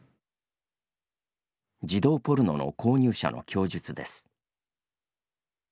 児童ポルノの購入者の供述です。